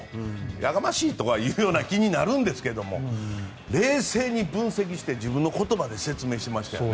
やかましいとかいう気になるんですけど冷静に分析して自分の言葉で説明してましたよね。